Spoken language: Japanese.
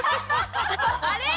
あれ？